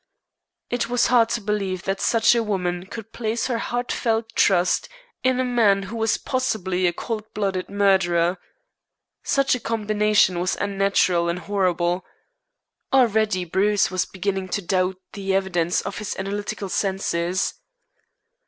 It was hard to believe that such a woman could place her heartfelt trust in a man who was possibly a cold blooded murderer. Such a combination was unnatural and horrible. Already Bruce was beginning to doubt the evidence of his analytical senses.